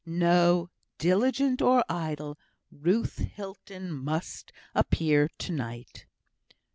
No! diligent or idle, Ruth Hilton must appear to night.